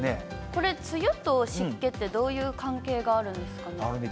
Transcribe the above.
これ、梅雨と湿気ってどういう関係があるんですかね。